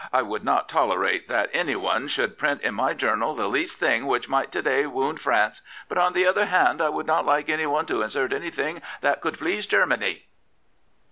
1 would not tolerate that anyone should f rint in my journal the least thing which might to day wound ranee; but, on the other hand, 1 would not like anyone to insert anything that could please Germany.